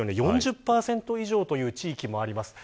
４０％以上という地域もあります。